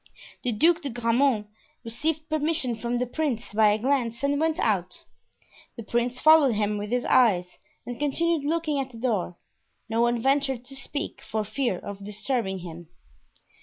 The Duc de Grammont received permission from the prince by a glance and went out. The prince followed him with his eyes and continued looking at the door; no one ventured to speak, for fear of disturbing him.